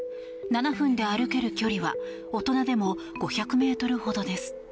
７分で歩ける距離は大人でも５００ｍほどです。